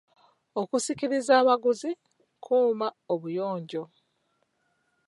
Okusikiriza abaguzi, kuuma obuyonjo.